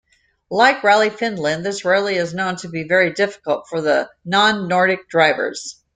Like Rally Finland, this rally is known to be very difficult for non-Nordic drivers.